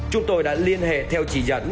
chúng tôi đã liên hệ theo chỉ dẫn